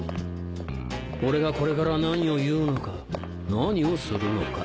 俺がこれから何を言うのか何をするのか。